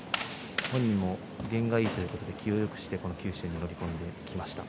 本人も験がいいということで気をよくして九州に乗り込んでいきました。